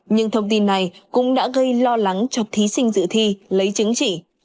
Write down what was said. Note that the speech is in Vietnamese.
nhưng thông tin này cũng đã gây lo lắng cho thí sinh dự thi lấy chứng chỉ